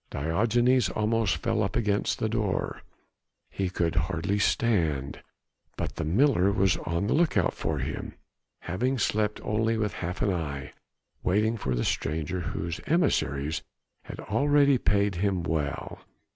Diogenes almost fell up against the door; he could hardly stand. But the miller was on the look out for him, having slept only with half an eye, waiting for the stranger whose emissaries had already paid him well.